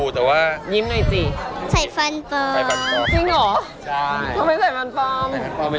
ทำไมใส่ฟันเปิ้ล